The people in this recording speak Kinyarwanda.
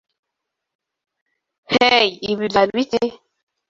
Hey, ibi byari ibiki?